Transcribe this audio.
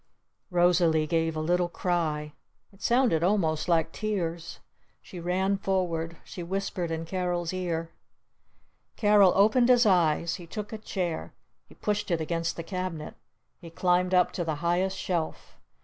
Rosalee gave a little cry. It sounded almost like tears. She ran forward. She whispered in Carol's ear. Carol opened his eyes. He took a chair. He pushed it against the cabinet. He climbed up to the highest shelf.